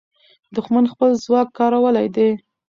دښمن خپل ځواک کارولی دی.